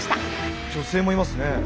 女性もいますね。